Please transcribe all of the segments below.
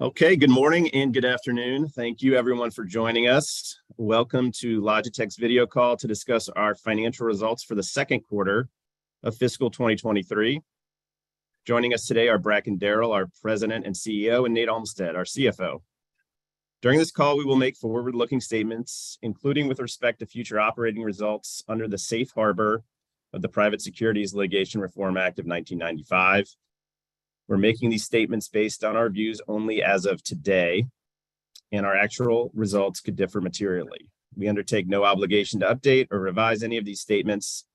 Okay, good morning and good afternoon. Thank you everyone for joining us. Welcome to Logitech's video call to discuss our financial results for the second quarter of fiscal 2023. Joining us today are Bracken Darrell, our President and CEO, and Nate Olmstead, our CFO. During this call, we will make forward-looking statements, including with respect to future operating results under the safe harbor of the Private Securities Litigation Reform Act of 1995. We're making these statements based on our views only as of today, and our actual results could differ materially. We undertake no obligation to update or revise any of these statements,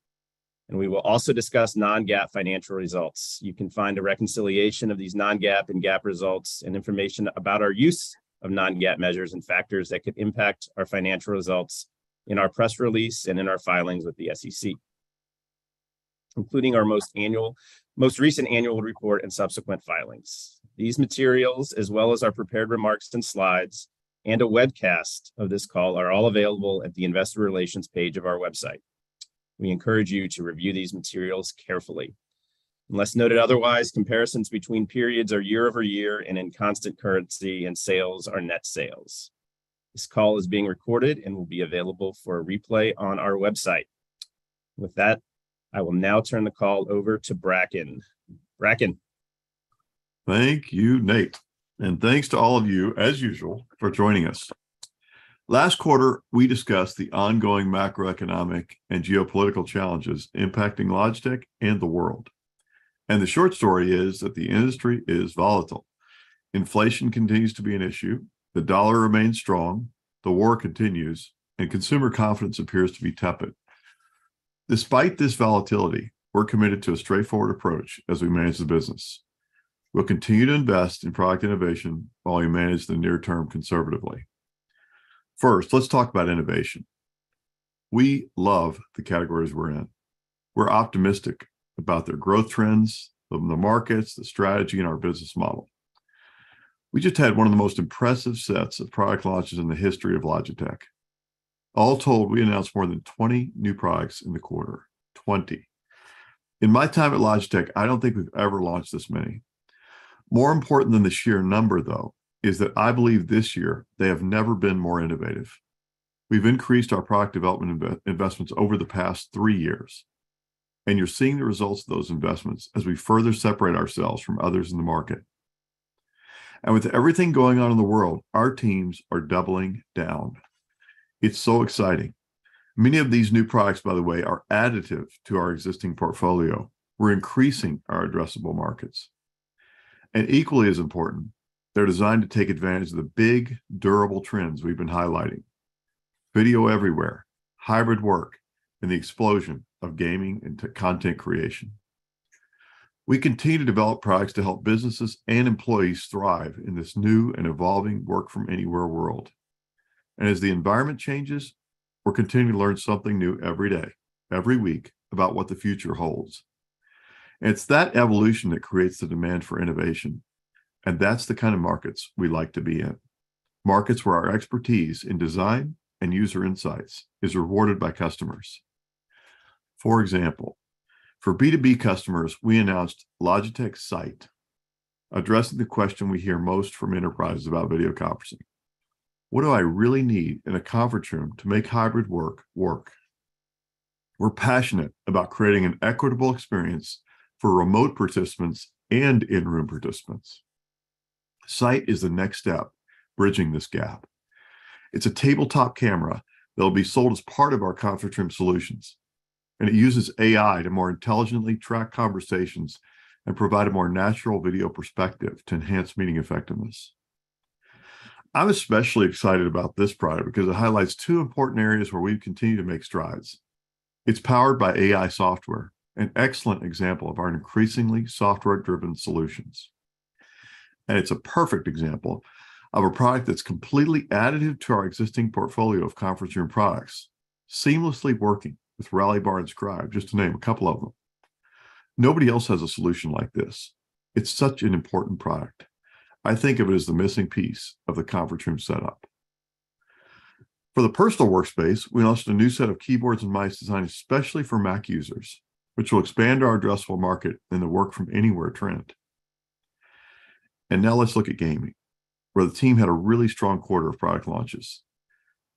and we will also discuss non-GAAP financial results. You can find a reconciliation of these non-GAAP and GAAP results and information about our use of non-GAAP measures and factors that could impact our financial results in our press release and in our filings with the SEC, including our most recent annual report and subsequent filings. These materials, as well as our prepared remarks and slides and a webcast of this call, are all available at the investor relations page of our website. We encourage you to review these materials carefully. Unless noted otherwise, comparisons between periods are year-over-year and in constant currency, and sales are net sales. This call is being recorded and will be available for replay on our website. With that, I will now turn the call over to Bracken. Bracken? Thank you, Nate. Thanks to all of you, as usual, for joining us. Last quarter, we discussed the ongoing macroeconomic and geopolitical challenges impacting Logitech and the world. The short story is that the industry is volatile. Inflation continues to be an issue, the dollar remains strong, the war continues, and consumer confidence appears to be tepid. Despite this volatility, we're committed to a straightforward approach as we manage the business. We'll continue to invest in product innovation while we manage the near term conservatively. First, let's talk about innovation. We love the categories we're in. We're optimistic about their growth trends of the markets, the strategy, and our business model. We just had one of the most impressive sets of product launches in the history of Logitech. All told, we announced more than 20 new products in the quarter. 20. In my time at Logitech, I don't think we've ever launched this many. More important than the sheer number though, is that I believe this year they have never been more innovative. We've increased our product development investments over the past three years, and you're seeing the results of those investments as we further separate ourselves from others in the market. With everything going on in the world, our teams are doubling down. It's so exciting. Many of these new products, by the way, are additive to our existing portfolio. We're increasing our addressable markets. Equally as important, they're designed to take advantage of the big, durable trends we've been highlighting, video everywhere, hybrid work, and the explosion of gaming into content creation. We continue to develop products to help businesses and employees thrive in this new and evolving work-from-anywhere world. As the environment changes, we're continuing to learn something new every day, every week, about what the future holds. It's that evolution that creates the demand for innovation, and that's the kind of markets we like to be in, markets where our expertise in design and user insights is rewarded by customers. For example, for B2B customers, we announced Logitech Sight, addressing the question we hear most from enterprises about video conferencing: what do I really need in a conference room to make hybrid work work? We're passionate about creating an equitable experience for remote participants and in-room participants. Sight is the next step bridging this gap. It's a tabletop camera that will be sold as part of our conference room solutions, and it uses AI to more intelligently track conversations and provide a more natural video perspective to enhance meeting effectiveness. I'm especially excited about this product because it highlights two important areas where we continue to make strides. It's powered by AI software, an excellent example of our increasingly software-driven solutions. It's a perfect example of a product that's completely additive to our existing portfolio of conference room products, seamlessly working with Rally Bar and Scribe, just to name a couple of them. Nobody else has a solution like this. It's such an important product. I think of it as the missing piece of the conference room setup. For the personal workspace, we launched a new set of keyboards and mice designed especially for Mac users, which will expand our addressable market in the work-from-anywhere trend. Now let's look at gaming, where the team had a really strong quarter of product launches.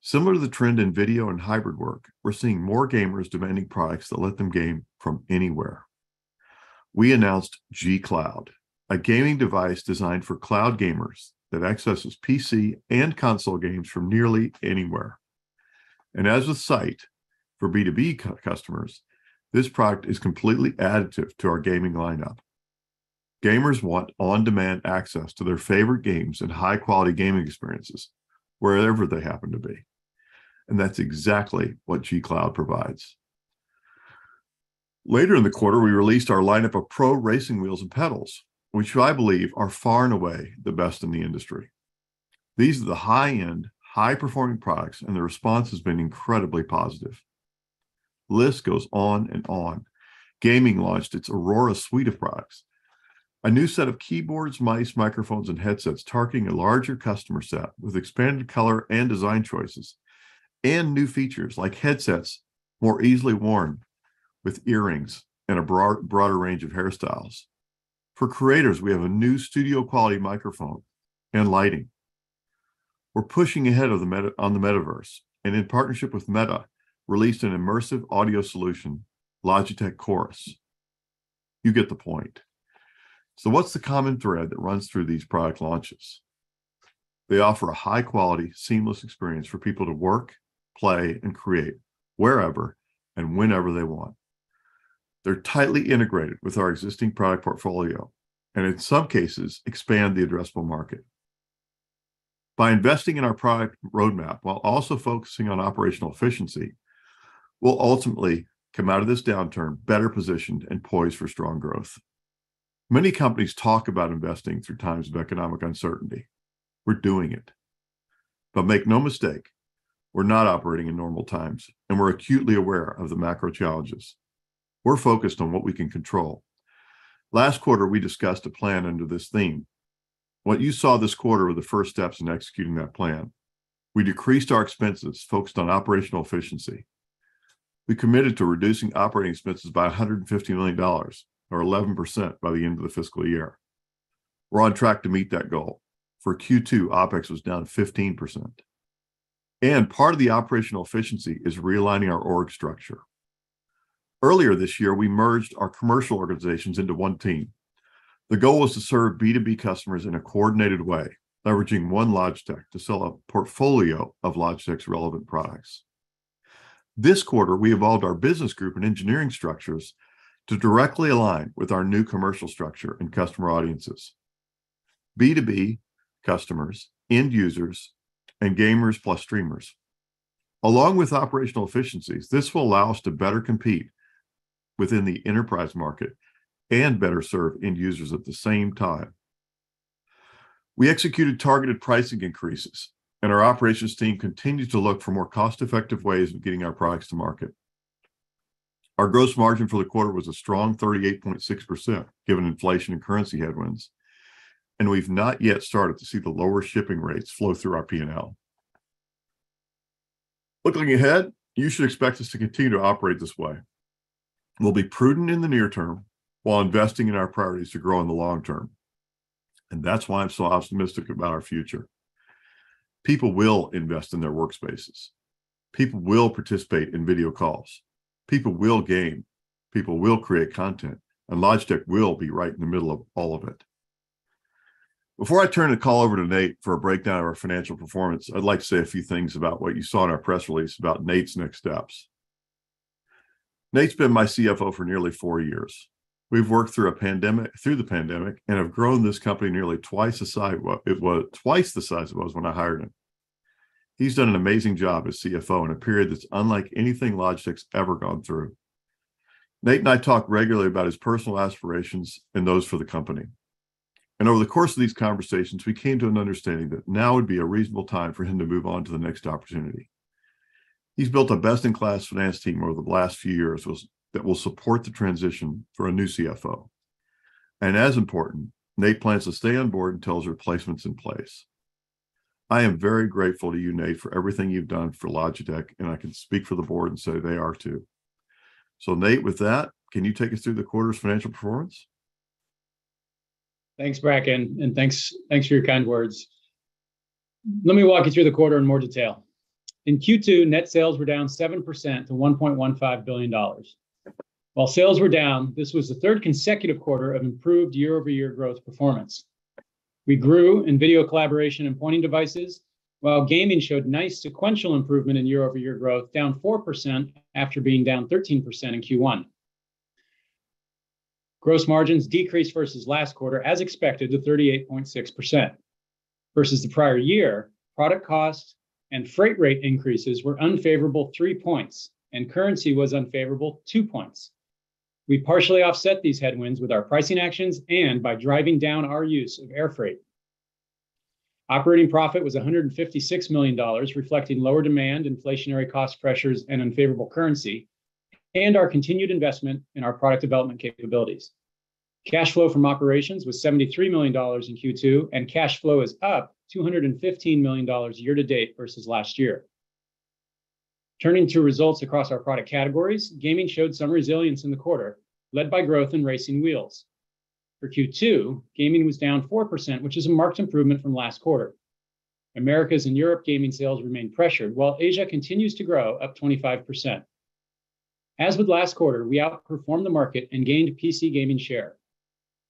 Similar to the trend in video and hybrid work, we're seeing more gamers demanding products that let them game from anywhere. We announced G Cloud, a gaming device designed for cloud gamers that accesses PC and console games from nearly anywhere. As with Sight for B2B customers, this product is completely additive to our gaming lineup. Gamers want on-demand access to their favorite games and high-quality gaming experiences wherever they happen to be, and that's exactly what G Cloud provides. Later in the quarter, we released our lineup of pro racing wheels and pedals, which I believe are far and away the best in the industry. These are the high-end, high-performing products, and the response has been incredibly positive. List goes on and on. Gaming launched its Aurora Collection, a new set of keyboards, mice, microphones, and headsets targeting a larger customer set with expanded color and design choices and new features like headsets more easily worn with earrings and a broader range of hairstyles. For creators, we have a new studio-quality microphone and lighting. We're pushing ahead on the metaverse, and in partnership with Meta, released an immersive audio solution, Logitech Chorus. You get the point. What's the common thread that runs through these product launches? They offer a high-quality, seamless experience for people to work, play, and create wherever and whenever they want. They're tightly integrated with our existing product portfolio, and in some cases, expand the addressable market. By investing in our product roadmap while also focusing on operational efficiency, we'll ultimately come out of this downturn better positioned and poised for strong growth. Many companies talk about investing through times of economic uncertainty. We're doing it. Make no mistake, we're not operating in normal times, and we're acutely aware of the macro challenges. We're focused on what we can control. Last quarter, we discussed a plan under this theme. What you saw this quarter were the first steps in executing that plan. We decreased our expenses, focused on operational efficiency. We committed to reducing operating expenses by $150 million, or 11%, by the end of the fiscal year. We're on track to meet that goal. For Q2, OpEx was down 15%. Part of the operational efficiency is realigning our org structure. Earlier this year, we merged our commercial organizations into one team. The goal was to serve B2B customers in a coordinated way, leveraging one Logitech to sell a portfolio of Logitech's relevant products. This quarter, we evolved our business group and engineering structures to directly align with our new commercial structure and customer audiences, B2B customers, end users, and gamers plus streamers. Along with operational efficiencies, this will allow us to better compete within the enterprise market and better serve end users at the same time. We executed targeted pricing increases, and our operations team continued to look for more cost-effective ways of getting our products to market. Our gross margin for the quarter was a strong 38.6%, given inflation and currency headwinds, and we've not yet started to see the lower shipping rates flow through our P&L. Looking ahead, you should expect us to continue to operate this way. We'll be prudent in the near term while investing in our priorities to grow in the long term, and that's why I'm so optimistic about our future. People will invest in their workspaces. People will participate in video calls. People will game. People will create content, and Logitech will be right in the middle of all of it. Before I turn the call over to Nate for a breakdown of our financial performance, I'd like to say a few things about what you saw in our press release about Nate's next steps. Nate's been my CFO for nearly four years. We've worked through a pandemic and have grown this company nearly twice the size it was when I hired him. He's done an amazing job as CFO in a period that's unlike anything Logitech's ever gone through. Nate and I talk regularly about his personal aspirations and those for the company. Over the course of these conversations, we came to an understanding that now would be a reasonable time for him to move on to the next opportunity. He's built a best-in-class finance team over the last few years, that will support the transition for a new CFO. As important, Nate plans to stay on board until his replacement's in place. I am very grateful to you, Nate, for everything you've done for Logitech, and I can speak for the board and say they are too. Nate, with that, can you take us through the quarter's financial performance? Thanks, Bracken, and thanks for your kind words. Let me walk you through the quarter in more detail. In Q2, net sales were down 7% to $1.15 billion. While sales were down, this was the third consecutive quarter of improved year-over-year growth performance. We grew in video collaboration and pointing devices, while gaming showed nice sequential improvement in year-over-year growth, down 4% after being down 13% in Q1. Gross margins decreased versus last quarter, as expected, to 38.6%. Versus the prior year, product cost and freight rate increases were unfavorable three points, and currency was unfavorable two points. We partially offset these headwinds with our pricing actions and by driving down our use of airfreight. Operating profit was $156 million, reflecting lower demand, inflationary cost pressures, and unfavorable currency, and our continued investment in our product development capabilities. Cash flow from operations was $73 million in Q2, and cash flow is up $215 million year to date versus last year. Turning to results across our product categories, gaming showed some resilience in the quarter, led by growth in racing wheels. For Q2, gaming was down 4%, which is a marked improvement from last quarter. Americas and Europe gaming sales remain pressured, while Asia continues to grow, up 25%. As with last quarter, we outperformed the market and gained PC gaming share.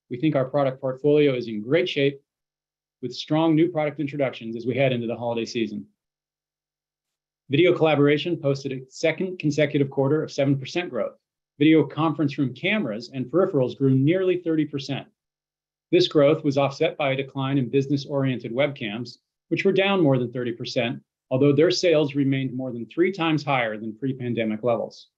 We think our product portfolio is in great shape with strong new product introductions as we head into the holiday season. Video collaboration posted a second consecutive quarter of 7% growth. Video conference room cameras and peripherals grew nearly 30%. This growth was offset by a decline in business-oriented webcams, which were down more than 30%, although their sales remained more than three times higher than pre-pandemic levels.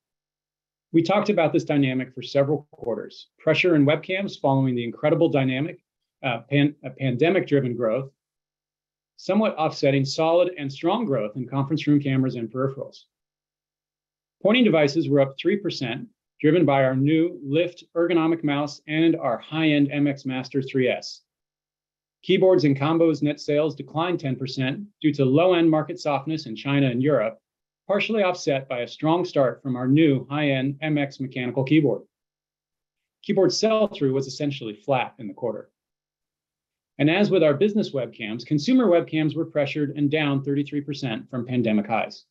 We talked about this dynamic for several quarters. Pressure in webcams following the incredible dynamic, pandemic-driven growth, somewhat offsetting solid and strong growth in conference room cameras and peripherals. Pointing devices were up 3%, driven by our new Lift ergonomic mouse and our high-end MX Master 3S. Keyboards and combos net sales declined 10% due to low-end market softness in China and Europe, partially offset by a strong start from our new high-end MX Mechanical keyboard. Keyboard sell-through was essentially flat in the quarter. As with our business webcams, consumer webcams were pressured and down 33% from pandemic highs.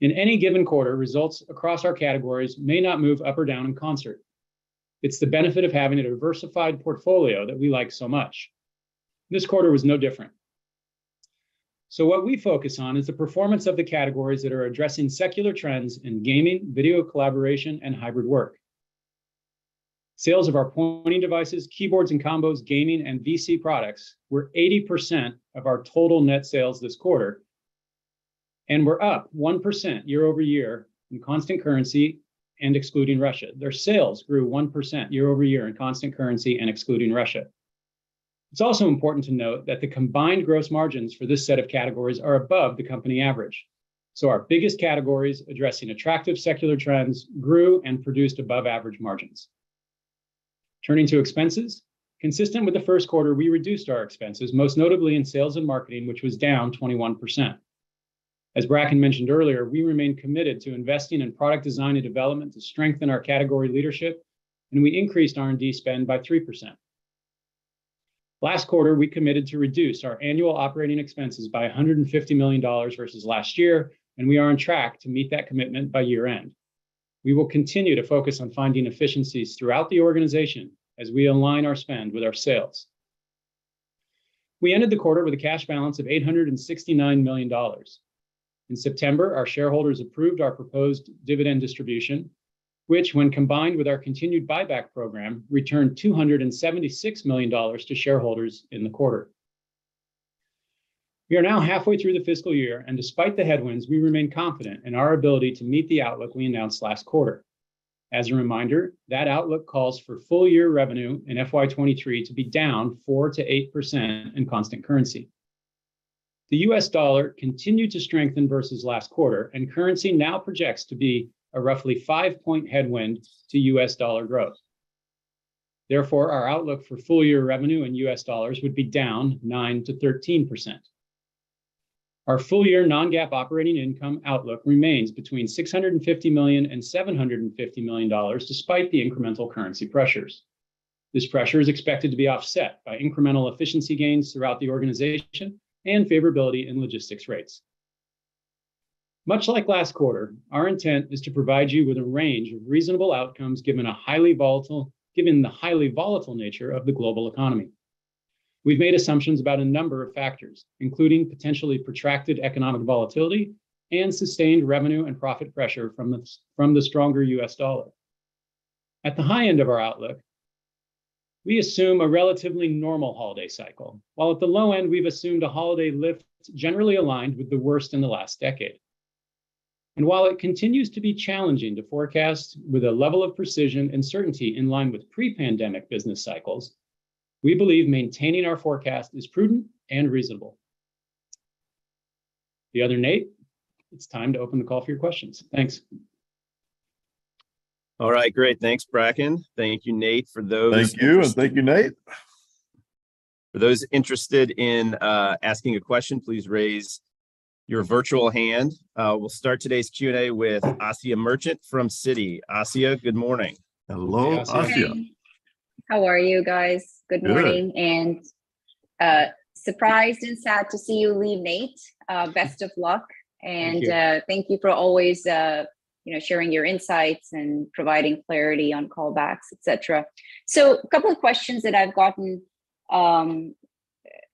In any given quarter, results across our categories may not move up or down in concert. It's the benefit of having a diversified portfolio that we like so much. This quarter was no different. What we focus on is the performance of the categories that are addressing secular trends in gaming, video collaboration, and hybrid work. Sales of our pointing devices, keyboards and combos, gaming, and VC products were 80% of our total net sales this quarter, and were up 1% year-over-year in constant currency and excluding Russia. Their sales grew 1% year-over-year in constant currency and excluding Russia. It's also important to note that the combined gross margins for this set of categories are above the company average. Our biggest categories addressing attractive secular trends grew and produced above average margins. Turning to expenses, consistent with the first quarter, we reduced our expenses, most notably in sales and marketing, which was down 21%. As Bracken mentioned earlier, we remain committed to investing in product design and development to strengthen our category leadership, and we increased R&D spend by 3%. Last quarter, we committed to reduce our annual operating expenses by $150 million versus last year, and we are on track to meet that commitment by year-end. We will continue to focus on finding efficiencies throughout the organization as we align our spend with our sales. We ended the quarter with a cash balance of $869 million. In September, our shareholders approved our proposed dividend distribution, which when combined with our continued buyback program, returned $276 million to shareholders in the quarter. We are now halfway through the fiscal year, and despite the headwinds, we remain confident in our ability to meet the outlook we announced last quarter. As a reminder, that outlook calls for full year revenue in FY 2023 to be down 4%-8% in constant currency. The U.S. dollar continued to strengthen versus last quarter, and currency now projects to be a roughly five point headwind to US dollar growth. Therefore, our outlook for full year revenue in U.S. dollars would be down 9%-13%. Our full year non-GAAP operating income outlook remains between $650 million and $750 million despite the incremental currency pressures. This pressure is expected to be offset by incremental efficiency gains throughout the organization and favorability in logistics rates. Much like last quarter, our intent is to provide you with a range of reasonable outcomes given the highly volatile nature of the global economy. We've made assumptions about a number of factors, including potentially protracted economic volatility and sustained revenue and profit pressure from the stronger U.S. dollar. At the high end of our outlook, we assume a relatively normal holiday cycle, while at the low end, we've assumed a holiday lift generally aligned with the worst in the last decade. While it continues to be challenging to forecast with a level of precision and certainty in line with pre-pandemic business cycles, we believe maintaining our forecast is prudent and reasonable. The other Nate, it's time to open the call for your questions. Thanks. All right. Great. Thanks, Bracken. Thank you, Nate, for those. Thank you. Thank you, Nate. For those interested in asking a question, please raise your virtual hand. We'll start today's Q&A with Asiya Merchant from Citi. Asiya, good morning. Hello, Asiya. Good morning. How are you guys? Good. Good morning. Surprised and sad to see you leave, Nate. Best of luck. Thank you. Thank you for always, you know, sharing your insights and providing clarity on callbacks, et cetera. A couple of questions that I've gotten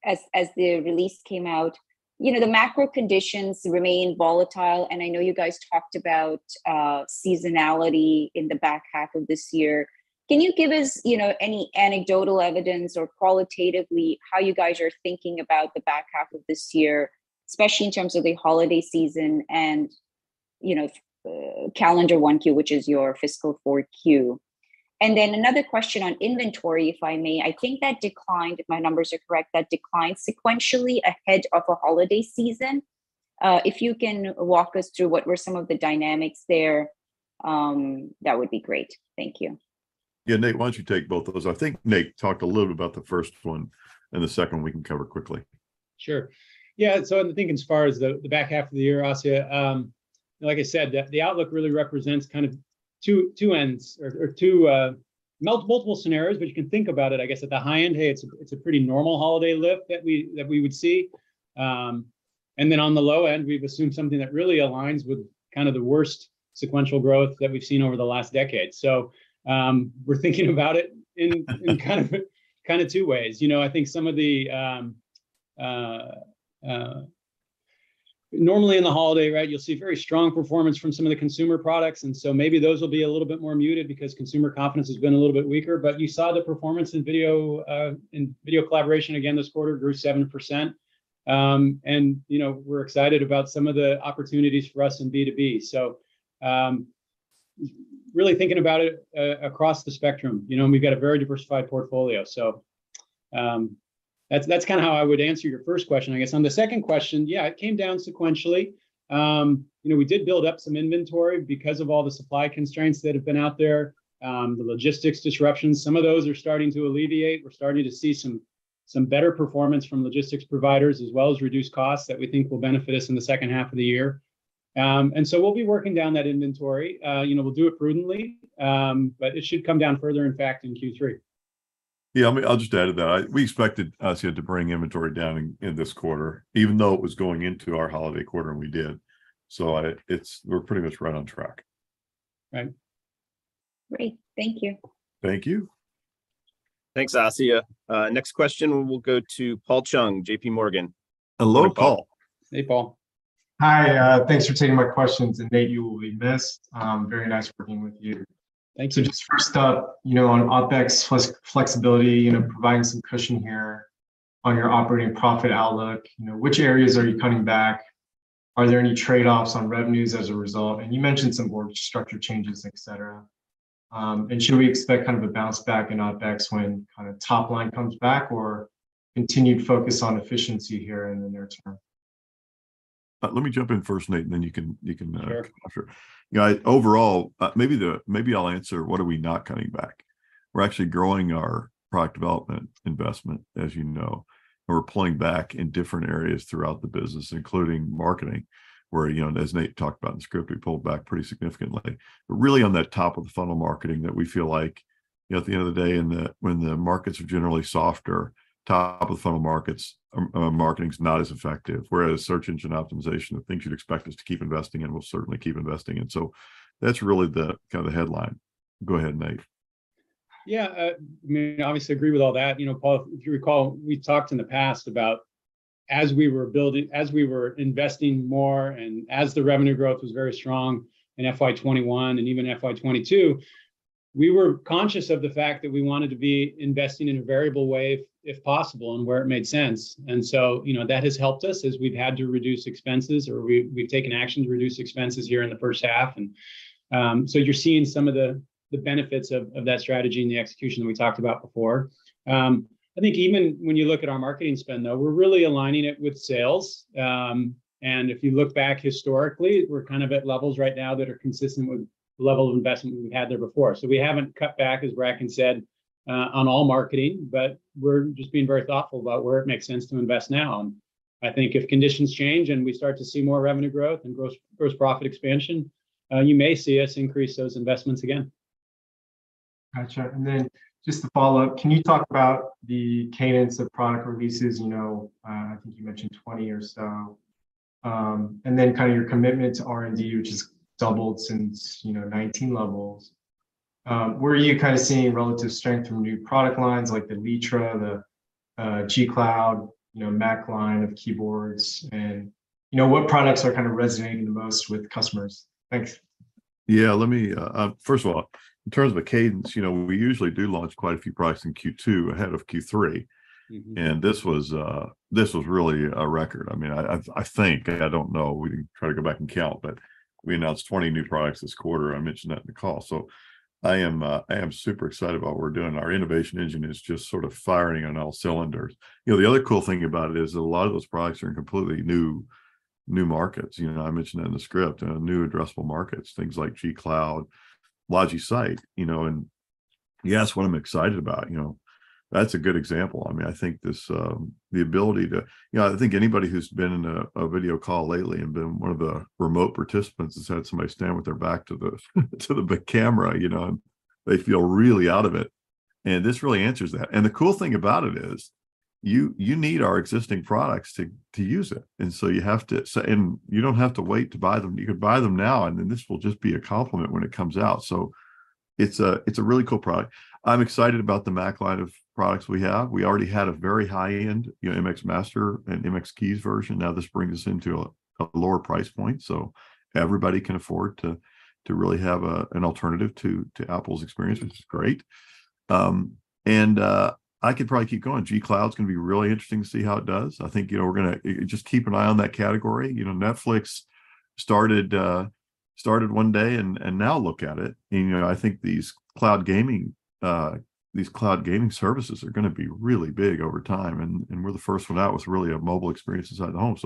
as the release came out. You know, the macro conditions remain volatile, and I know you guys talked about seasonality in the back half of this year. Can you give us, you know, any anecdotal evidence or qualitatively how you guys are thinking about the back half of this year, especially in terms of the holiday season and, you know, calendar 1Q, which is your fiscal 4Q? Another question on inventory, if I may. I think that declined, if my numbers are correct, sequentially ahead of a holiday season. If you can walk us through what were some of the dynamics there, that would be great. Thank you. Yeah. Nate, why don't you take both of those? I think Nate talked a little about the first one, and the second one we can cover quickly. I think as far as the back half of the year, Asiya, like I said, the outlook really represents kind of two ends or two multiple scenarios, but you can think about it, I guess, at the high end, it's a pretty normal holiday lift that we would see. Then on the low end, we've assumed something that really aligns with kind of the worst sequential growth that we've seen over the last decade. We're thinking about it in kind of two ways. Normally in the holiday, right, you'll see very strong performance from some of the consumer products, and maybe those will be a little bit more muted because consumer confidence has been a little bit weaker. You saw the performance in video collaboration again this quarter grew 7%. You know, we're excited about some of the opportunities for us in B2B. Really thinking about it across the spectrum. You know, we've got a very diversified portfolio. That's kinda how I would answer your first question, I guess. On the second question, yeah, it came down sequentially. You know, we did build up some inventory because of all the supply constraints that have been out there, the logistics disruptions. Some of those are starting to alleviate. We're starting to see some better performance from logistics providers as well as reduced costs that we think will benefit us in the second half of the year. We'll be working down that inventory. You know, we'll do it prudently, but it should come down further, in fact, in Q3. Yeah, I mean, I'll just add to that. We expected Asiya to bring inventory down in this quarter, even though it was going into our holiday quarter, and we did. It's. We're pretty much right on track. Right. Great. Thank you. Thank you. Thanks, Asya. Next question will go to Paul Chung, JPMorgan. Hello, Paul. Hey, Paul. Hi, thanks for taking my questions, and Nate, you will be missed. Very nice working with you. Thanks. Just first up, you know, on OpEx flexibility, you know, providing some cushion here on your operating profit outlook. You know, which areas are you cutting back? Are there any trade-offs on revenues as a result? You mentioned some org structure changes, et cetera. Should we expect kind of a bounce back in OpEx when kinda top line comes back, or continued focus on efficiency here in the near term? Let me jump in first, Nate, and then you can. Sure. Jump in. Yeah, overall, maybe I'll answer what are we not cutting back. We're actually growing our product development investment, as you know. We're pulling back in different areas throughout the business, including marketing, where, you know, and as Nate talked about in the script, we pulled back pretty significantly. Really on that top-of-the-funnel marketing that we feel like, you know, at the end of the day when the markets are generally softer, top-of-the-funnel marketing's not as effective. Whereas search engine optimization, the things you'd expect us to keep investing in, we'll certainly keep investing in. That's really the kinda the headline. Go ahead, Nate. Yeah. I mean, obviously agree with all that. You know, Paul, if you recall, we talked in the past about as we were investing more and as the revenue growth was very strong in FY 2021 and even FY 2022, we were conscious of the fact that we wanted to be investing in a variable way if possible, and where it made sense. You know, that has helped us as we've had to reduce expenses or we've taken action to reduce expenses here in the first half. You're seeing some of the benefits of that strategy and the execution we talked about before. I think even when you look at our marketing spend though, we're really aligning it with sales. If you look back historically, we're kind of at levels right now that are consistent with the level of investment we had there before. We haven't cut back, as Bracken said, on all marketing, but we're just being very thoughtful about where it makes sense to invest now. I think if conditions change and we start to see more revenue growth and gross profit expansion, you may see us increase those investments again. Gotcha. Just to follow up, can you talk about the cadence of product releases? You know, I think you mentioned 20 or so. Kinda your commitment to R&D, which has doubled since, you know, 2019 levels. Where are you kinda seeing relative strength from new product lines like the Litra, the G Cloud, you know, Mac line of keyboards and, you know, what products are kinda resonating the most with customers? Thanks. Yeah, let me. First of all, in terms of the cadence, you know, we usually do launch quite a few products in Q2 ahead of Q3. Mm-hmm. This was really a record. I mean, I think, I don't know, we can try to go back and count, but we announced 20 new products this quarter. I mentioned that in the call. I am super excited about what we're doing. Our innovation engine is just sort of firing on all cylinders. You know, the other cool thing about it is a lot of those products are in completely new markets. You know, I mentioned that in the script, new addressable markets, things like G Cloud, Logitech Sight, you know. Yeah, that's what I'm excited about, you know. That's a good example. I mean, I think this, the ability to. You know, I think anybody who's been in a video call lately and been one of the remote participants that's had somebody stand with their back to the camera, you know, they feel really out of it. This really answers that. The cool thing about it is, you need our existing products to use it. You don't have to wait to buy them. You could buy them now, and then this will just be a complement when it comes out. It's a really cool product. I'm excited about the Mac line of products we have. We already had a very high-end, you know, MX Master and MX Keys version. Now this brings us into a lower price point, so everybody can afford to really have an alternative to Apple's experience, which is great. I could probably keep going. G Cloud's gonna be really interesting to see how it does. I think, you know, we're gonna just keep an eye on that category. You know, Netflix started one day, and now look at it. You know, I think these cloud gaming services are gonna be really big over time, and we're the first one out with really a mobile experience inside the home.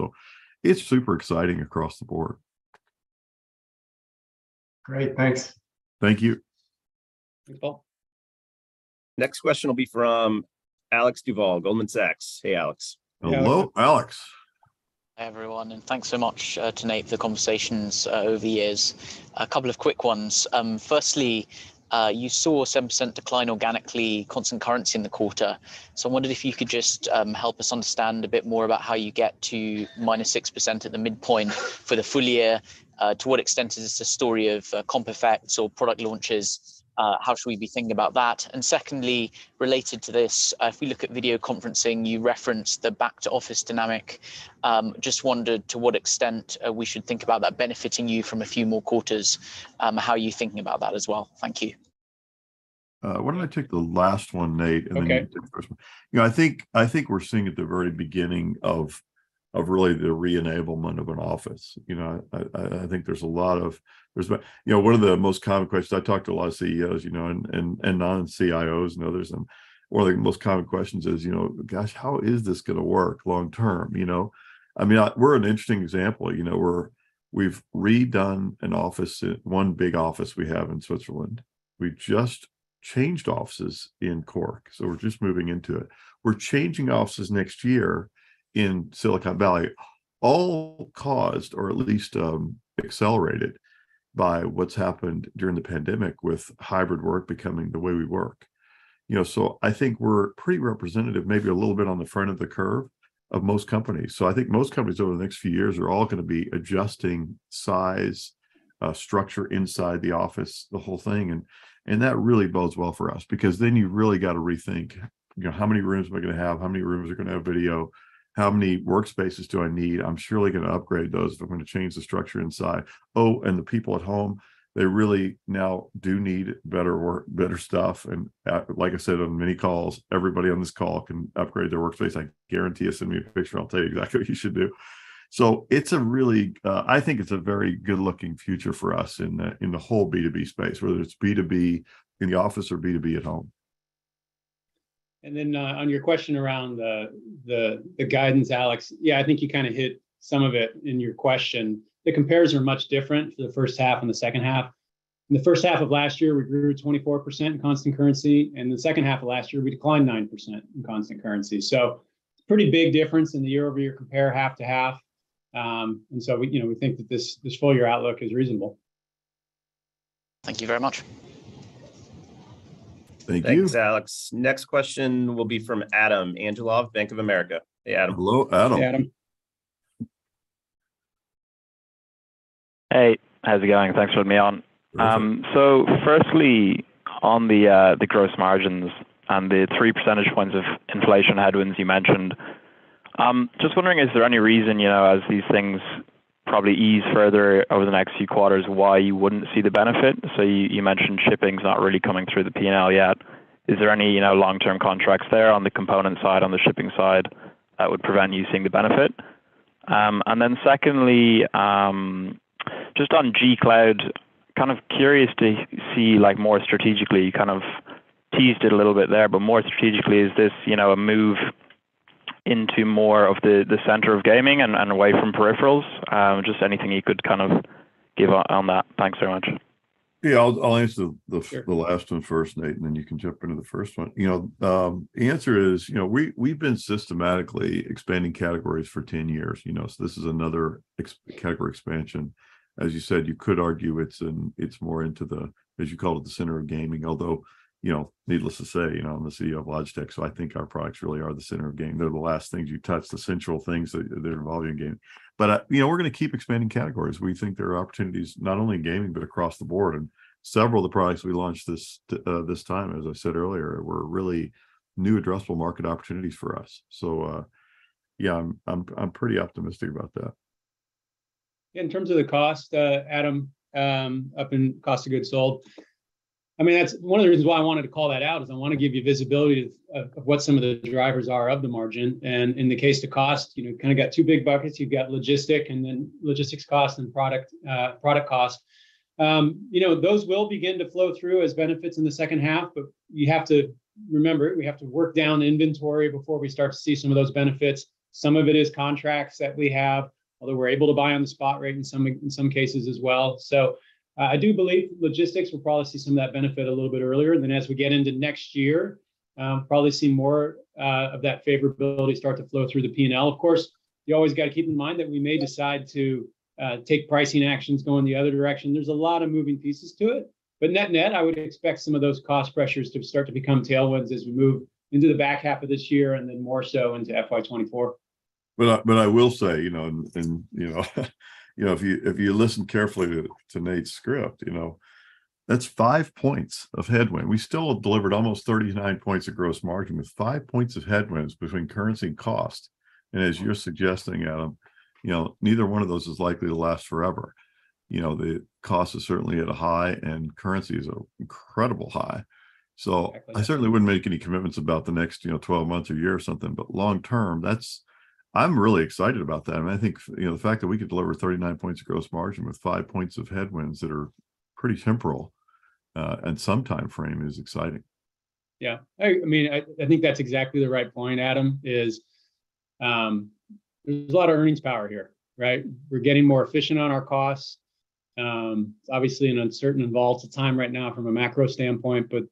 It's super exciting across the board. Great. Thanks. Thank you. Thanks, Paul. Next question will be from Alex Duval, Goldman Sachs. Hey, Alex. Hello, Alex. Hey, Alex. Hi, everyone, and thanks so much to Nate, for the conversations over the years. A couple of quick ones. Firstly, you saw a 7% decline organically, constant currency in the quarter. I wondered if you could just help us understand a bit more about how you get to -6% at the midpoint for the full year. To what extent is this a story of comp effects or product launches? How should we be thinking about that? Secondly, related to this, if we look at video conferencing, you referenced the back to office dynamic. Just wondered to what extent we should think about that benefiting you from a few more quarters, how you're thinking about that as well. Thank you. Why don't I take the last one, Nate. Okay. You take the first one. You know, I think we're seeing at the very beginning of really the re-enablement of an office. You know, one of the most common questions, I talk to a lot of CEOs, you know, and non-CIOs and others, and one of the most common questions is, you know, "Gosh, how is this gonna work long term?" You know? I mean, we're an interesting example. You know, we're, we've redone an office, one big office we have in Switzerland. We just changed offices in Cork, so we're just moving into it. We're changing offices next year in Silicon Valley, all caused, or at least, accelerated by what's happened during the pandemic with hybrid work becoming the way we work. You know, I think we're pretty representative, maybe a little bit on the front of the curve, of most companies. I think most companies over the next few years are all gonna be adjusting size, structure inside the office, the whole thing, and that really bodes well for us. Because then you really got to rethink, you know, how many rooms am I gonna have? How many rooms are gonna have video? How many workspaces do I need? I'm surely gonna upgrade those if I'm gonna change the structure inside. Oh, the people at home, they really now do need better work, better stuff. Like I said on many calls, everybody on this call can upgrade their workspace. I guarantee it. Send me a picture and I'll tell you exactly what you should do. It's really, I think it's a very good-looking future for us in the whole B2B space, whether it's B2B in the office or B2B at home. On your question around the guidance, Alex, yeah, I think you kind of hit some of it in your question. The compares are much different for the first half and the second half. In the first half of last year, we grew 24% in constant currency, and the second half of last year, we declined 9% in constant currency. Pretty big difference in the year-over-year compare half to half. You know, we think that this full year outlook is reasonable. Thank you very much. Thank you. Thanks, Alex. Next question will be from Adam Angelov, Bank of America. Hey, Adam. Hello, Adam. Hey, Adam. Hey, how's it going? Thanks for letting me on. Awesome. Firstly, on the gross margins and the 3 percentage points of inflation headwinds you mentioned, just wondering, is there any reason, you know, as these things probably ease further over the next few quarters, why you wouldn't see the benefit? You mentioned shipping's not really coming through the P&L yet. Is there any, you know, long-term contracts there on the component side, on the shipping side, that would prevent you seeing the benefit? Then secondly, just on G Cloud, kind of curious to see, like more strategically, you kind of teased it a little bit there, but more strategically, is this, you know, a move into more of the center of gaming and away from peripherals? Just anything you could kind of give on that. Thanks very much. Yeah, I'll answer the. Sure. The last one first, Nate, and then you can jump into the first one. You know, the answer is, you know, we've been systematically expanding categories for 10 years, you know. This is another category expansion. As you said, you could argue it's more into the, as you called it, the center of gaming. Although, you know, needless to say, you know, I'm the CEO of Logitech, so I think our products really are the center of gaming. They're the last things you touch, the central things that are involved in your game. You know, we're gonna keep expanding categories. We think there are opportunities not only in gaming, but across the board. Several of the products we launched this time, as I said earlier, were really new addressable market opportunities for us. Yeah, I'm pretty optimistic about that. In terms of the cost, Adam, up in cost of goods sold, I mean, that's one of the reasons why I wanted to call that out, is I want to give you visibility of what some of the drivers are of the margin. In the case of cost, you know, kind of got two big buckets. You've got logistics, and then logistics cost and product cost. You know, those will begin to flow through as benefits in the second half. We have to remember, we have to work down inventory before we start to see some of those benefits. Some of it is contracts that we have, although we're able to buy on the spot rate in some cases as well. I do believe logistics will probably see some of that benefit a little bit earlier. Then as we get into next year, probably see more of that favorability start to flow through the P&L. Of course, you always got to keep in mind that we may decide to take pricing actions going the other direction. There's a lot of moving pieces to it. net net, I would expect some of those cost pressures to start to become tailwinds as we move into the back half of this year, and then more so into FY 2024. Will say, you know, if you listen carefully to Nate's script, you know, that's five points of headwind. We still have delivered almost 39% gross margin with five points of headwinds between currency and cost. As you're suggesting, Adam, you know, neither one of those is likely to last forever. You know, the cost is certainly at a high, and currency is incredibly high. I certainly wouldn't make any commitments about the next, you know, 12 months or a year or something. Long term, that's. I'm really excited about that. I think, you know, the fact that we could deliver 39% gross margin with five points of headwinds that are pretty temporary in some time frame is exciting. Yeah. I mean, I think that's exactly the right point, Adam. There's a lot of earnings power here, right? We're getting more efficient on our costs. Obviously an uncertain and volatile time right now from a macro standpoint, but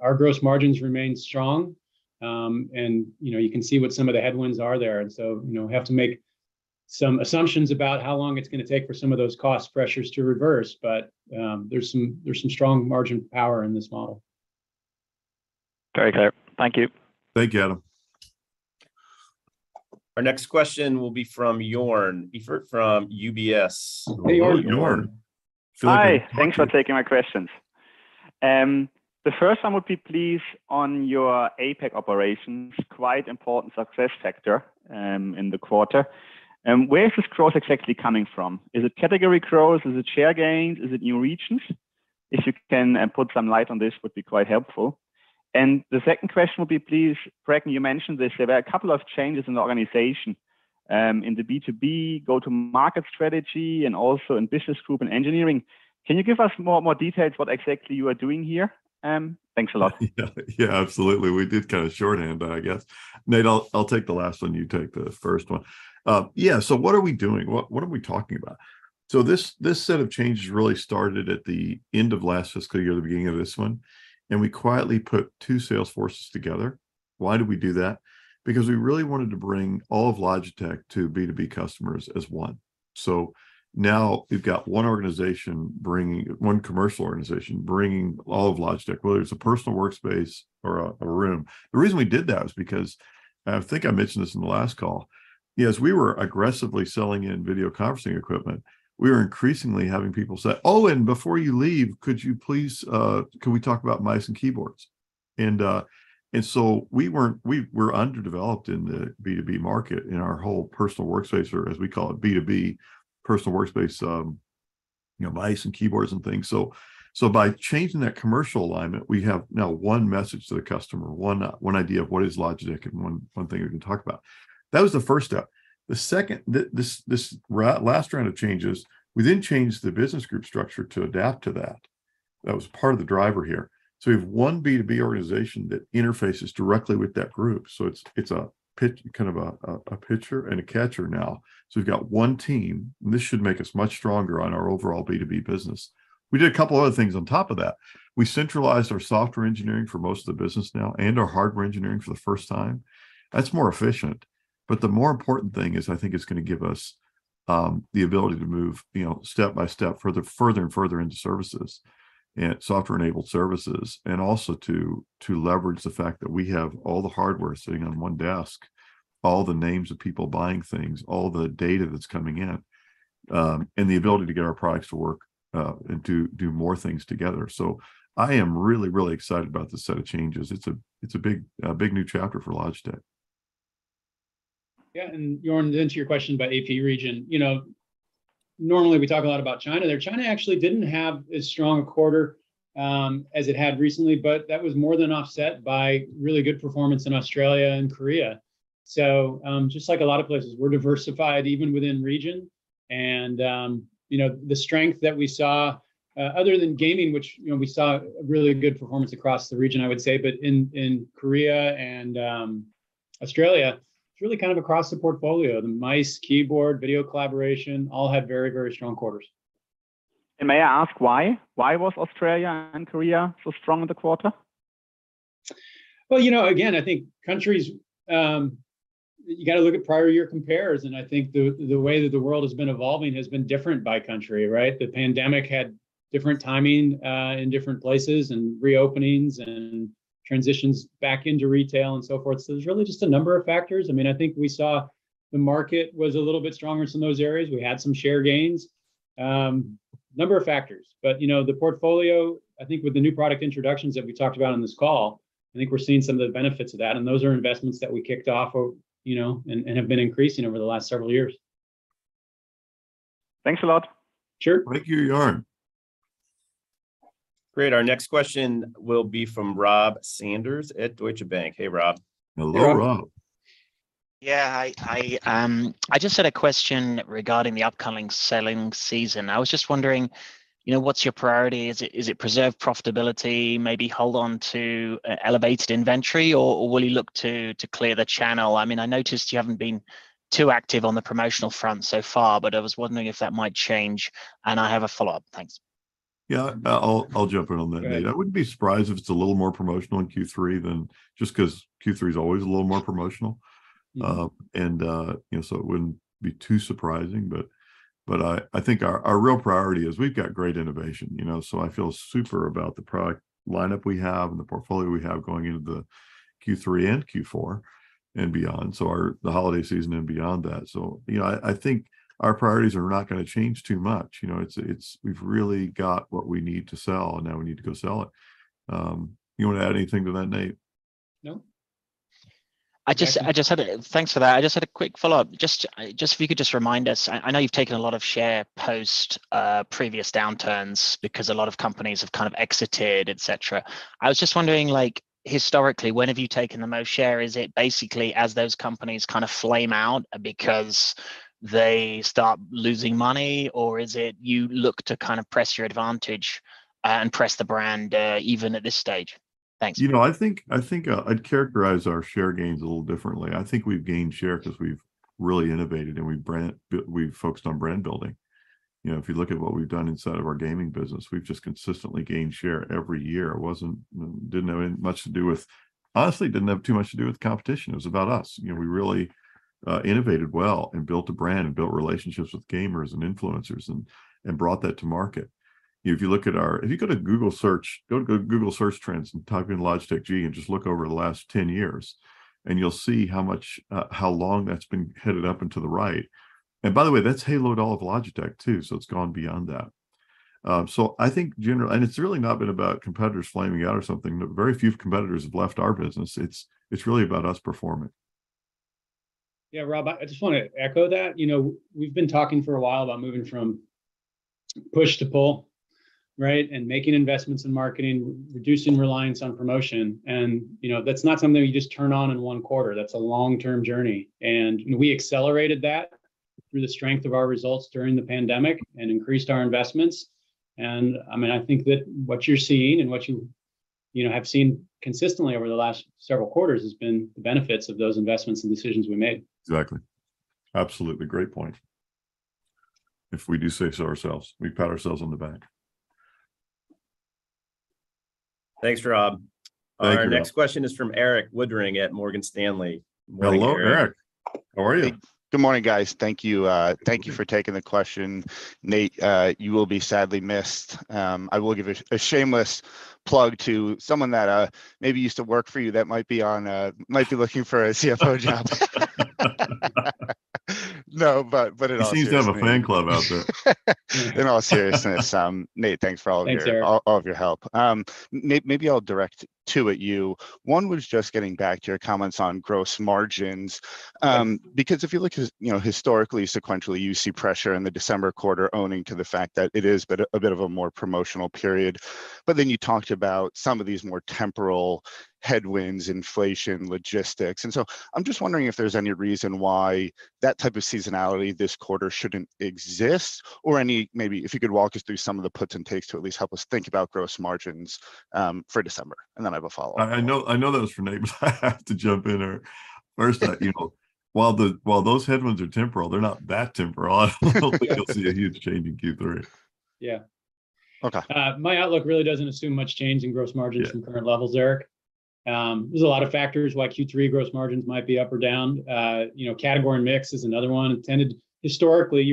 our gross margins remain strong. You know, you can see what some of the headwinds are there. You know, have to make some assumptions about how long it's gonna take for some of those cost pressures to reverse. But there's some strong margin power in this model. Very clear. Thank you. Thank you, Adam. Our next question will be from Joern Iffert from UBS. Hey, Joern. Hi, thanks for taking my questions. The first one would be please on your APAC operations, quite important success sector, in the quarter. Where is this growth exactly coming from? Is it category growth? Is it share gains? Is it new regions? If you can, put some light on this would be quite helpful. The second question will be, please, Bracken, you mentioned this, there were a couple of changes in the organization, in the B2B go-to-market strategy, and also in business group and engineering. Can you give us more details what exactly you are doing here? Thanks a lot. Yeah, absolutely. We did kind of shorthand that, I guess. Nate, I'll take the last one, you take the first one. Yeah, so what are we doing? What are we talking about? This set of changes really started at the end of last fiscal year, the beginning of this one, and we quietly put two sales forces together. Why did we do that? Because we really wanted to bring all of Logitech to B2B customers as one. Now we've got one commercial organization bringing all of Logitech, whether it's a personal workspace or a room. The reason we did that was because, I think I mentioned this in the last call, yes, we were aggressively selling in video conferencing equipment. We were increasingly having people say, "Oh, and before you leave, could you please, could we talk about mice and keyboards?" we were underdeveloped in the B2B market in our whole personal workspace, or as we call it, B2B personal workspace, you know, mice and keyboards and things. By changing that commercial alignment, we have now one message to the customer, one idea of what is Logitech, and one thing we can talk about. That was the first step. The second, this last round of changes, we then changed the business group structure to adapt to that. That was part of the driver here. we have one B2B organization that interfaces directly with that group, so it's kind of a pitcher and a catcher now. We've got one team. This should make us much stronger on our overall B2B business. We did a couple other things on top of that. We centralized our software engineering for most of the business now and our hardware engineering for the first time. That's more efficient. The more important thing is I think it's gonna give us the ability to move, you know, step by step further and further into services and software-enabled services, and also to leverage the fact that we have all the hardware sitting on one desk, all the names of people buying things, all the data that's coming in, and the ability to get our products to work and to do more things together. I am really, really excited about this set of changes. It's a big new chapter for Logitech. Yeah, Joern, then to your question about AP region, you know, normally we talk a lot about China there. China actually didn't have as strong a quarter, as it had recently, but that was more than offset by really good performance in Australia and Korea. Just like a lot of places, we're diversified even within region. You know, the strength that we saw, other than gaming, which, you know, we saw really good performance across the region, I would say. In Korea and Australia, it's really kind of across the portfolio. The mice, keyboard, video collaboration all had very, very strong quarters. May I ask why? Why was Australia and Korea so strong in the quarter? Well, you know, again, I think countries, you gotta look at prior year compares, and I think the way that the world has been evolving has been different by country, right? The pandemic had different timing in different places, and reopenings and transitions back into retail and so forth. There's really just a number of factors. I mean, I think we saw the market was a little bit stronger in some of those areas. We had some share gains. Number of factors. You know, the portfolio, I think with the new product introductions that we talked about on this call, I think we're seeing some of the benefits of that, and those are investments that we kicked off or, you know, and have been increasing over the last several years. Thanks a lot. Sure. Thank you, Joern. Great. Our next question will be from Rob Sanders at Deutsche Bank. Hey, Rob. Hello, Rob. Hey, Rob. Yeah. I just had a question regarding the upcoming selling season. I was just wondering, you know, what's your priority? Is it preserve profitability, maybe hold on to elevated inventory, or will you look to clear the channel? I mean, I noticed you haven't been too active on the promotional front so far, but I was wondering if that might change. I have a follow-up. Thanks. Yeah. I'll jump in on that, Nate. Great. I wouldn't be surprised if it's a little more promotional in Q3 than just 'cause Q3 is always a little more promotional. You know, it wouldn't be too surprising. But I think our real priority is we've got great innovation. You know, I feel super about the product lineup we have and the portfolio we have going into the Q3 and Q4 and beyond, the holiday season and beyond that. I think our priorities are not gonna change too much. You know, we've really got what we need to sell, and now we need to go sell it. You wanna add anything to that, Nate? No. I just. Thanks for that. I just had a quick follow-up. Just if you could just remind us, I know you've taken a lot of share post previous downturns because a lot of companies have kind of exited, et cetera. I was just wondering, like, historically, when have you taken the most share? Is it basically as those companies kind of flame out because they start losing money, or is it you look to kind of press your advantage and press the brand even at this stage? Thanks. You know, I think I'd characterize our share gains a little differently. I think we've gained share 'cause we've really innovated and we've focused on brand building. You know, if you look at what we've done inside of our gaming business, we've just consistently gained share every year. It didn't have much to do with competition. Honestly, it didn't have too much to do with competition. It was about us. You know, we really innovated well and built a brand and built relationships with gamers and influencers and brought that to market. You know, if you go to Google Trends and type in Logitech G and just look over the last 10 years, you'll see how much, how long that's been headed up and to the right. By the way, that's haloed all of Logitech too, so it's gone beyond that. It's really not been about competitors flaming out or something. Very few competitors have left our business. It's really about us performing. Yeah, Rob, I just want to echo that. You know, we've been talking for a while about moving from push to pull, right? Making investments in marketing, reducing reliance on promotion, and, you know, that's not something you just turn on in one quarter. That's a long-term journey, and we accelerated that through the strength of our results during the pandemic and increased our investments. I mean, I think that what you're seeing and what you know, have seen consistently over the last several quarters has been the benefits of those investments and decisions we made. Exactly. Absolutely. Great point. If we do say so ourselves, we pat ourselves on the back. Thanks, Rob. Thank you, Nate. Our next question is from Erik Woodring at Morgan Stanley. Hello, Erik. How are you? Good morning, guys. Thank you for taking the question. Nate, you will be sadly missed. I will give a shameless plug to someone that maybe used to work for you that might be looking for a CFO job. No, but in all seriousness. He seems to have a fan club out there. In all seriousness, Nate, thanks for all of your Thanks, Eric. All of your help. Nate, maybe I'll direct two at you. One was just getting back to your comments on gross margins. Because if you look at, you know, historically, sequentially, you see pressure in the December quarter owing to the fact that it is a bit of a more promotional period. But then you talked about some of these more temporary headwinds, inflation, logistics. I'm just wondering if there's any reason why that type of seasonality this quarter shouldn't exist or any. Maybe if you could walk us through some of the puts and takes to at least help us think about gross margins for December. Then I have a follow-up. I know that was for Nate, but I have to jump in here first. You know, while those headwinds are temporary, they're not that temporary. I don't think you'll see a huge change in Q3. Yeah. Okay. My outlook really doesn't assume much change in gross margins. Yeah. From current levels, Eric. There's a lot of factors why Q3 gross margins might be up or down. You know, category and mix is another one. Historically,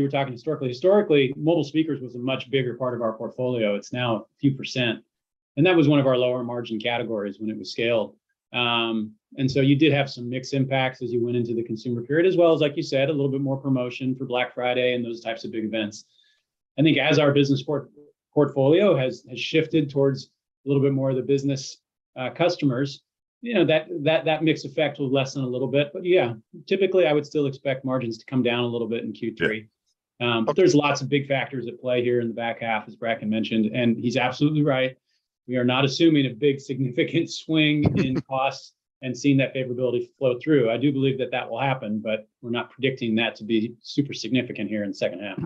mobile speakers was a much bigger part of our portfolio. It's now a few percent, and that was one of our lower margin categories when it was scaled. You did have some mix impacts as you went into the consumer period, as well as, like you said, a little bit more promotion for Black Friday and those types of big events. I think as our business portfolio has shifted towards a little bit more of the business customers, you know, that mix effect will lessen a little bit. Yeah, typically I would still expect margins to come down a little bit in Q3. Yeah. There's lots of big factors at play here in the back half, as Bracken mentioned, and he's absolutely right. We are not assuming a big significant swing in costs and seeing that favorability flow through. I do believe that will happen, but we're not predicting that to be super significant here in the second half.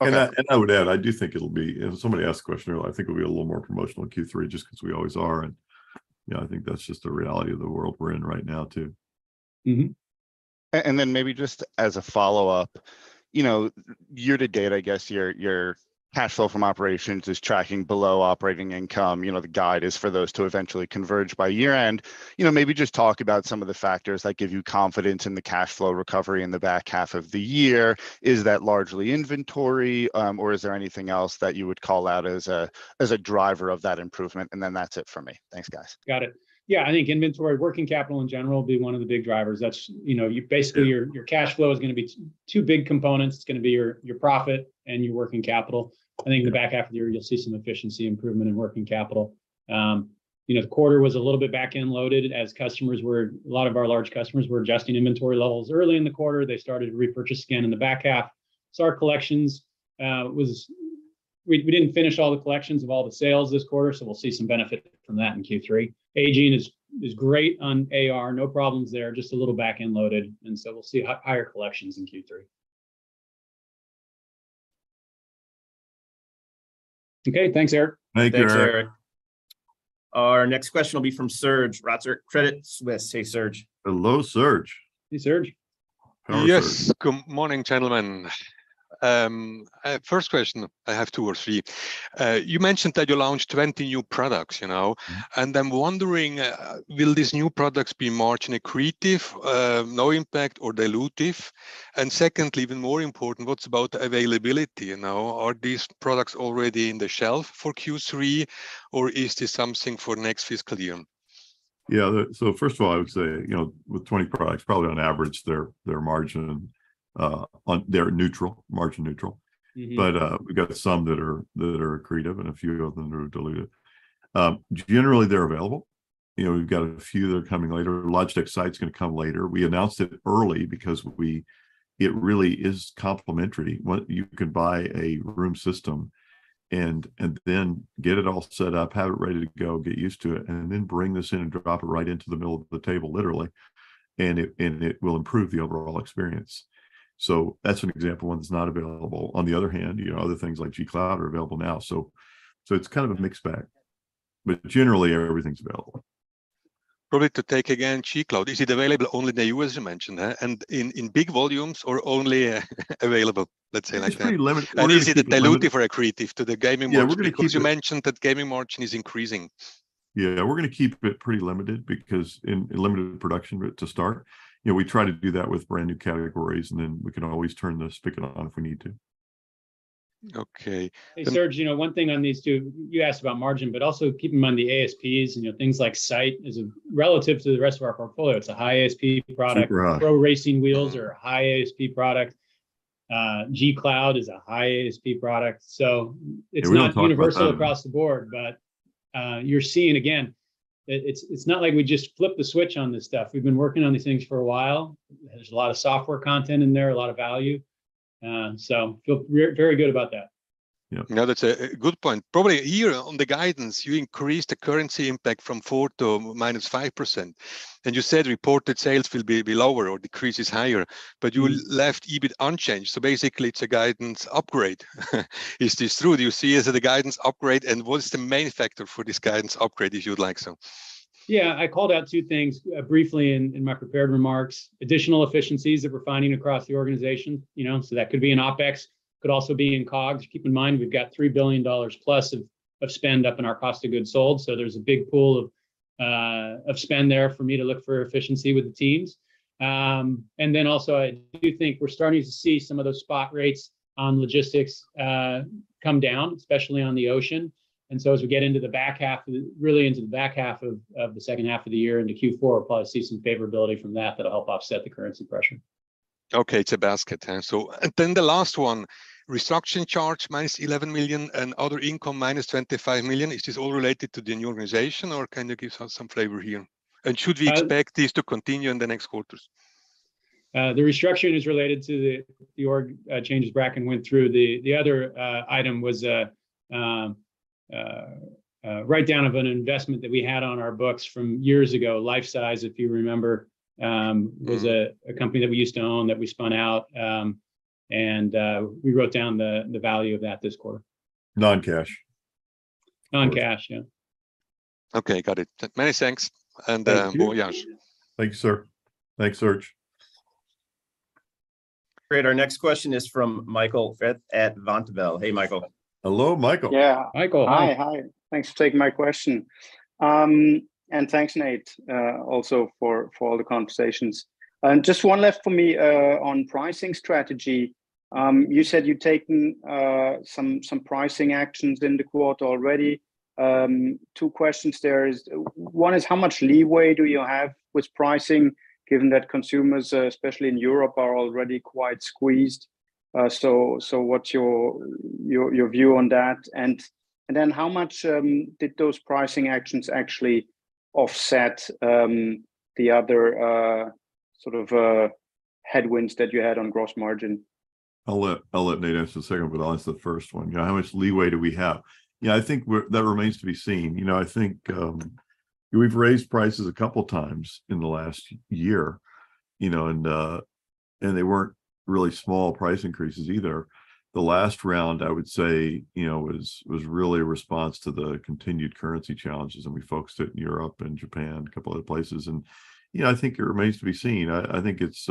Okay. I would add. I do think it'll be if somebody asks a question. I think it'll be a little more promotional in Q3 just because we always are, and you know, I think that's just the reality of the world we're in right now too. Maybe just as a follow-up, you know, year to date, I guess your cash flow from operations is tracking below operating income. You know, the guide is for those to eventually converge by year end. You know, maybe just talk about some of the factors that give you confidence in the cash flow recovery in the back half of the year. Is that largely inventory, or is there anything else that you would call out as a driver of that improvement? That's it for me. Thanks, guys. Got it. Yeah. I think inventory, working capital in general will be one of the big drivers. That's, you know, you basically. Yeah. Your cash flow is gonna be two big components. It's gonna be your profit and your working capital. I think the back half of the year you'll see some efficiency improvement in working capital. You know, the quarter was a little bit back-end loaded. A lot of our large customers were adjusting inventory levels early in the quarter. They started to repurchase again in the back half. We didn't finish all the collections of all the sales this quarter, so we'll see some benefit from that in Q3. Aging is great on AR, no problems there, just a little back-end loaded, and so we'll see higher collections in Q3. Okay. Thanks, EriK. Thank you, EriK. Thanks, Erik. Our next question will be from Serge Rotzer, Credit Suisse. Hey, Serge. Hello, Serge. Hey, Serge. Hello, Serge. Yes. Good morning, gentlemen. First question, I have two or three. You mentioned that you launched 20 new products, you know, and I'm wondering, will these new products be margin accretive, no impact or dilutive? Secondly, even more important, what about availability, you know? Are these products already on the shelf for Q3, or is this something for next fiscal year? First of all, I would say, you know, with 20 products, probably on average their margin. They're neutral, margin neutral. Mm-hmm. We've got some that are accretive and a few of them that are dilutive. Generally they're available. You know, we've got a few that are coming later. Logitech Sight's gonna come later. We announced it early because it really is complementary. You can buy a room system and then get it all set up, have it ready to go, get used to it, and then bring this in and drop it right into the middle of the table literally, and it will improve the overall experience. That's an example of one that's not available. On the other hand, you know, other things like G Cloud are available now. It's kind of a mixed bag, but generally everything's available. Probably to take again G Cloud. Is it available only in the U.S. you mentioned, and in big volumes or only available, let's say, like that? It's pretty limited quantity to begin with. Is it dilutive or accretive to the gaming margin? Yeah. We're gonna keep it. Because you mentioned that gaming margin is increasing. Yeah. We're gonna keep it pretty limited because in limited production to start. You know, we try to do that with brand-new categories, and then we can always turn the spigot on if we need to. Okay. Hey, Serge, you know, one thing on these two. You asked about margin, but also keep in mind the ASPs and, you know, things like Sight is a relative to the rest of our portfolio. It's a high ASP product. Super high. Pro Racing Wheels are a high ASP product. G Cloud is a high ASP product. Yeah, we don't talk about. Universal across the board. You're seeing again, it's not like we just flip the switch on this stuff. We've been working on these things for a while. There's a lot of software content in there, a lot of value. So feel very good about that. Yeah. No, that's a good point. Probably here on the guidance, you increased the currency impact from 4% to -5%. You said reported sales will be lower or decrease is higher. You left EBIT unchanged, so basically it's a guidance upgrade. Is this true? Do you see it as a guidance upgrade, and what is the main factor for this guidance upgrade, if you would like so? Yeah. I called out two things briefly in my prepared remarks. Additional efficiencies that we're finding across the organization, you know, so that could be in OpEx, could also be in COGS. Keep in mind, we've got $3 billion plus of spend up in our cost of goods sold, so there's a big pool of spend there for me to look for efficiency with the teams. And then also I do think we're starting to see some of those spot rates on logistics come down, especially on the ocean. As we get into the back half, really into the back half of the second half of the year, into Q4, we'll probably see some favorability from that that'll help offset the currency pressure. Okay. It's a basket, huh? And then the last one, restructuring charge -$11 million and other income -$25 million, is this all related to the new organization, or can you give us some flavor here? Should we expect this to continue in the next quarters? The restructuring is related to the org changes Bracken went through. The other item was a write-down of an investment that we had on our books from years ago. Lifesize, if you remember, was a company that we used to own that we spun out. We wrote down the value of that this quarter. Non-cash. Non-cash, yeah. Okay, got it. Many thanks. Thank you. No, yeah. Thank you, Serge. Thanks, Serge. Great. Our next question is from Michael Foeth at Vontobel. Hey, Michael. Hello, Michael. Yeah. Michael, hi. Hi, hi. Thanks for taking my question. Thanks, Nate, also for all the conversations. Just one left for me on pricing strategy. You said you'd taken some pricing actions in the quarter already. Two questions there. One is, how much leeway do you have with pricing given that consumers, especially in Europe, are already quite squeezed? What's your view on that? Then how much did those pricing actions actually offset the other sort of headwinds that you had on gross margin? I'll let Nate answer the second one, I'll answer the first one. Yeah, how much leeway do we have? Yeah, I think that remains to be seen. You know, I think, we've raised prices a couple times in the last year, you know, and they weren't really small price increases either. The last round, I would say, you know, was really a response to the continued currency challenges, and we focused it in Europe and Japan, a couple other places. You know, I think it remains to be seen. I think it's,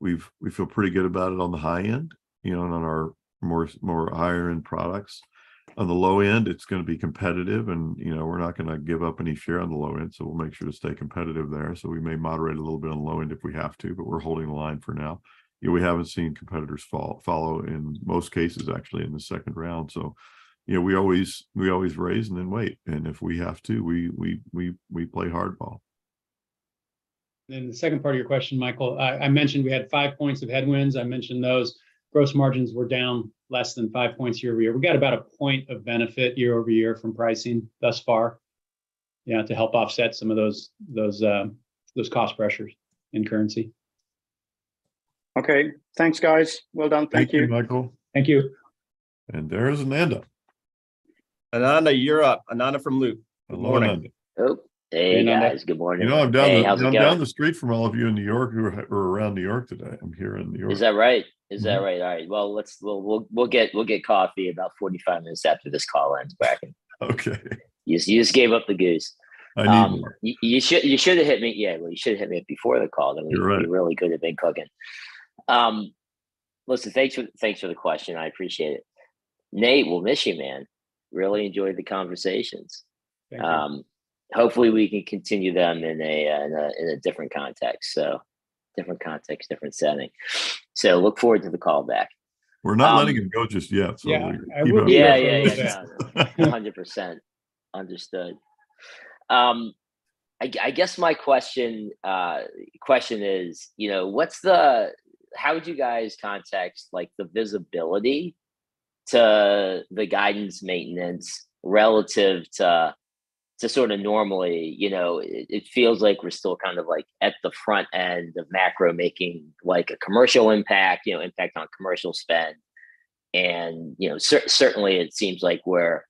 we've we feel pretty good about it on the high end, you know, and on our more higher-end products. On the low end, it's gonna be competitive, and, you know, we're not gonna give up any share on the low end, so we'll make sure to stay competitive there. We may moderate a little bit on low end if we have to, but we're holding the line for now. You know, we haven't seen competitors follow, in most cases, actually, in the second round. You know, we always raise and then wait. If we have to, we play hardball. The second part of your question, Michael, I mentioned we had five points of headwinds. I mentioned those. Gross margins were down less than five points year-over-year. We got about a point of benefit year-over-year from pricing thus far, you know, to help offset some of those cost pressures in currency. Okay. Thanks, guys. Well done. Thank you. Thank you, Michael. Thank you. There's Ananda. Ananda, you're up. Ananda from Loop. Hello, Ananda. Good morning. Oh, hey, guys. Hey, Ananda. Good morning. You know, I'm down the. Hey, how's it going? I'm down the street from all of you in New York who are around New York today. I'm here in New York. Is that right? Mm-hmm. Is that right? All right. Well, we'll get coffee about 45 minutes after this call ends, Bracken. Okay. You just gave up the goose. I did. You should have hit me. Yeah, well, you should've hit me up before the call then. You're right. We really could have been cooking. Listen, thanks for the question. I appreciate it. Nate, we'll miss you, man. Really enjoyed the conversations. Yeah. Hopefully we can continue them in a different context, different setting. Look forward to the call back. We're not letting him go just yet. Yeah. I would agree with that. Keeping him here. Yeah, yeah. 100% understood. I guess my question is, you know, how would you guys contextualize, like, the visibility to the guidance maintenance relative to sort of normally? You know, it feels like we're still kind of, like, at the front end of macro making, like, a commercial impact, you know, impact on commercial spend. You know, certainly it seems like we're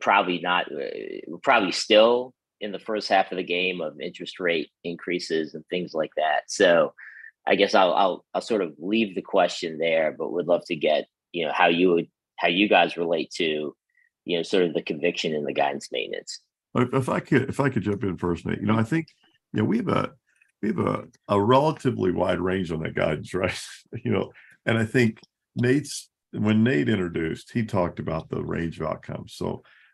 probably not we're probably still in the first half of the game of interest rate increases and things like that. I guess I'll sort of leave the question there, but would love to get, you know, how you guys relate to, you know, sort of the conviction in the guidance maintenance. If I could jump in first, Nate. Sure. You know, I think, you know, we have a relatively wide range on that guidance, right? You know, I think. When Nate introduced, he talked about the range of outcomes.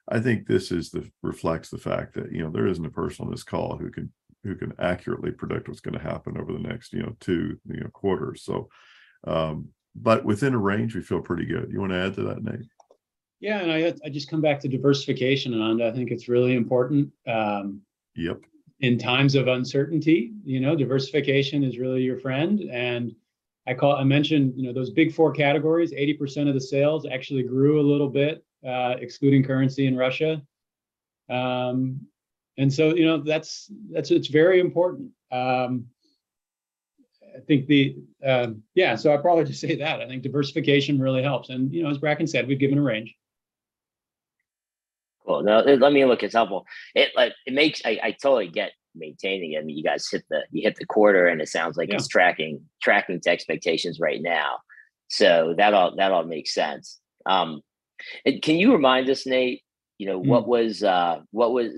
I think this reflects the fact that, you know, there isn't a person on this call who can accurately predict what's gonna happen over the next, you know, two, you know, quarters. Within range, we feel pretty good. You wanna add to that, Nate? Yeah, I just come back to diversification, Ananda. I think it's really important. Yep. In times of uncertainty, you know, diversification is really your friend. I mentioned, you know, those big four categories, 80% of the sales actually grew a little bit, excluding currency in Russia. You know, that's. It's very important. I think, yeah, I'd probably just say that. I think diversification really helps. You know, as Bracken said, we've given a range. Well, no, let me look. It's helpful. I totally get maintaining. I mean, you guys hit the quarter, and it sounds like. Yeah. It's tracking to expectations right now, so that all makes sense. Can you remind us, Nate, you know what was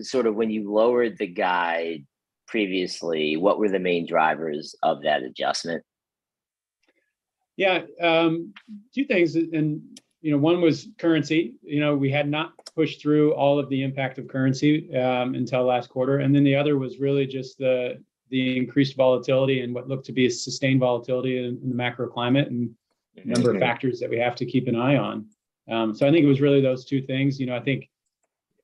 sort of when you lowered the guide previously, what were the main drivers of that adjustment? Two things. You know, one was currency. You know, we had not pushed through all of the impact of currency until last quarter. The other was really just the increased volatility and what looked to be a sustained volatility in the macro climate. Okay. A number of factors that we have to keep an eye on. I think it was really those two things. You know, I think,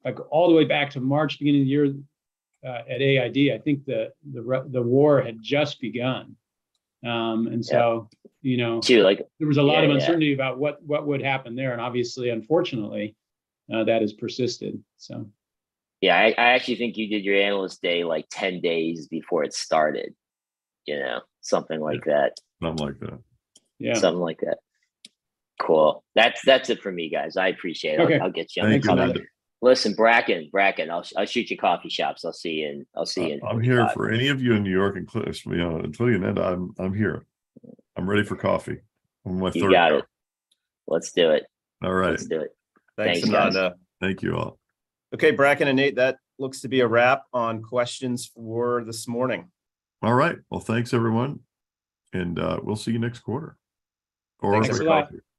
like, all the way back to March, beginning of the year, at AID, I think the war had just begun. Yeah. you know. You're like. There was a lot of. Yeah, yeah Uncertainty about what would happen there, and obviously, unfortunately, that has persisted, so. Yeah. I actually think you did your analyst day, like, 10 days before it started, you know? Something like that. Something like that. Yeah. Something like that. Cool. That's it for me, guys. I appreciate it. Okay. I'll get you on the. Thank you, Ananda. Listen, Bracken, I'll shoot you coffee shops. I'll see you in. I'm here for any of you in New York, including you know and Tony and Ananda. I'm here. I'm ready for coffee. I'm on my third cup. You got it. Let's do it. All right. Let's do it. Thanks, Ananda. Thank you all. Okay. Bracken and Nate, that looks to be a wrap on questions for this morning. All right. Well, thanks everyone, and we'll see you next quarter or. Thanks, guys.